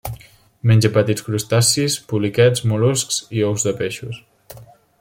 Menja petits crustacis, poliquets, mol·luscs i ous de peixos.